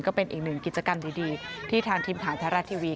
ก็เป็นอีกหนึ่งกิจกรรมดีที่ทางทีมข่าวไทยรัฐทีวี